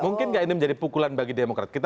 mungkin nggak ini menjadi pukulan bagi demokrat